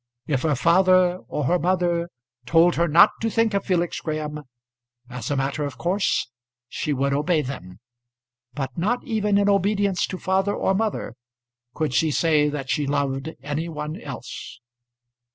If her father or her mother told her not to think of Felix Graham, as a matter of course she would obey them; but not even in obedience to father or mother could she say that she loved any one else.